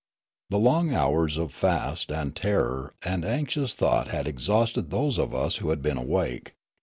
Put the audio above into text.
The long hours of fast and terror and anxious thought had exhausted those of us who had been awake.